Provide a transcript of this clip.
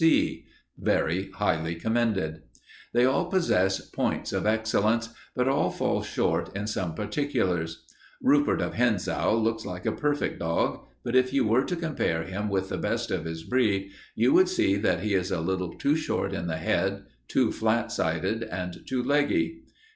H. C. very highly commended. They all possess points of excellence, but all fall short in some particulars. Rupert of Hentzau looks like a perfect dog, but if you were to compare him with the best of his breed you would see that he is a little too short in the head, too flat sided, and too leggy.